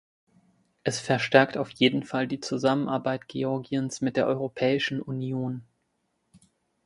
Es verstärkt auf jeden Fall die Zusammenarbeit Georgiens mit der Europäischen Union.